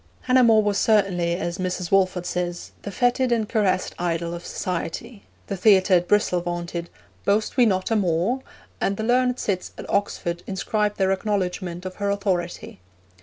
Hannah More was certainly, as Mrs. Walford says, 'the feted and caressed idol of society.' The theatre at Bristol vaunted, 'Boast we not a More?' and the learned cits at Oxford inscribed their acknowledgment of her authority.